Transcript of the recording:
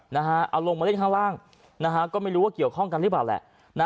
นะฮะเอาลงมาเล่นข้างล่างนะฮะก็ไม่รู้ว่าเกี่ยวข้องกันหรือเปล่าแหละ